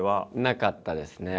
なかったですね。